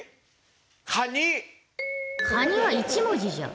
蟹は１文字じゃ。